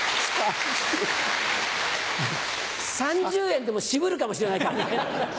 ３０円でも渋るかもしれないからね。